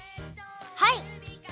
はい。